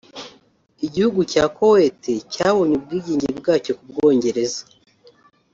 Igihugu cya Kuwait cyabonye ubwigenge bwacyo ku Bwongereza